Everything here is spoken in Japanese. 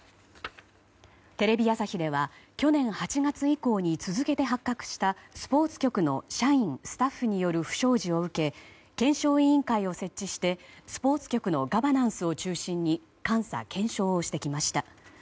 テレビ朝日では去年８月以降に続けて発覚したスポーツ局の社員、スタッフによる不祥事を受け検証委員会を設置してスポーツ局のガバナンスを中心に監査・検証をしてきました。